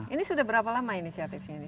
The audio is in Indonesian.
ini sudah berapa lama ini si atif ini